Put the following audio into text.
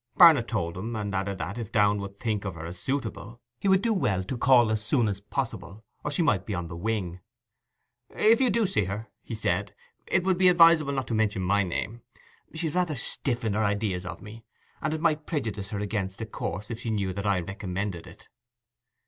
Barnet told him, and added that, if Downe should think of her as suitable, he would do well to call as soon as possible, or she might be on the wing. 'If you do see her,' he said, 'it would be advisable not to mention my name. She is rather stiff in her ideas of me, and it might prejudice her against a course if she knew that I recommended it.